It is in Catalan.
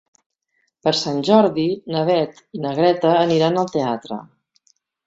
Per Sant Jordi na Beth i na Greta aniran al teatre.